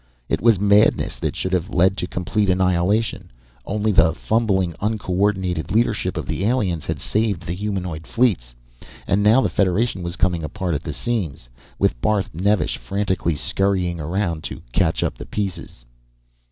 It was madness that should have led to complete annihilation; only the fumbling, uncoördinated leadership of the aliens had saved the humanoid fleets. And now the Federation was coming apart at the seams, with Barth Nevesh frantically scurrying around to catch up the pieces.